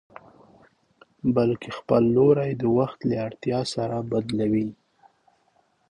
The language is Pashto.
بلکې خپل لوری د وخت له اړتيا سره بدلوي.